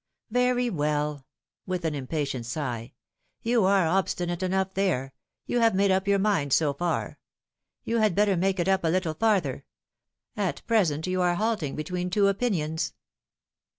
" Very well," with an impatient sigh. " You are obstinate enough there : you have made up your mind so far. You had Higher Views. 197 better make it up a little further. At present you are halting between two opinions."